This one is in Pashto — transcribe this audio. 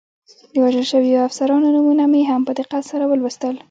د وژل شویو افسرانو نومونه مې هم په دقت سره ولوستل.